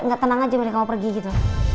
gak tenang aja mereka mau pergi gitu